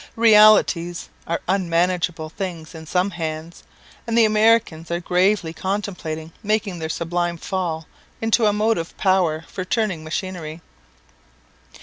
Realities are unmanageable things in some hands, and the Americans are gravely contemplating making their sublime Fall into a motive power for turning machinery.